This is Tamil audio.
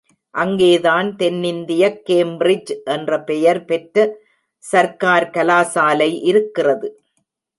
அங்கே தான் தென்னிந்தியக் கேம்பிரிட்ஜ் என்ற பெயர் பெற்ற சர்க்கார் கலாசாலை இருக்கிறது.